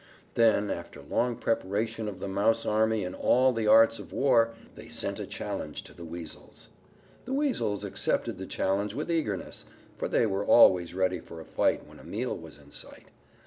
Then after long preparation of the Mouse army in all the arts of war, they sent a challenge to the Weasels. The Weasels accepted the challenge with eagerness, for they were always ready for a fight when a meal was in sight.